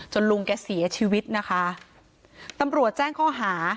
ลุงแกเสียชีวิตนะคะตำรวจแจ้งข้อหา